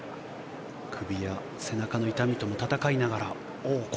首や背中の痛みとも戦いながら。